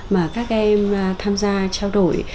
mà các em tham gia trao đổi